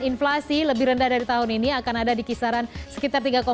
inflasi lebih rendah dari tahun ini akan ada di kisaran sekitar tiga lima